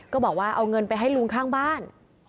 ก็บอกว่าเอาเงินไปให้ลุงข้างบ้าน